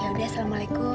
ya udah assalamualaikum